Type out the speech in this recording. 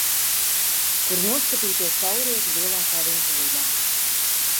Kur noskatīties saulrietu lielākā vientulībā.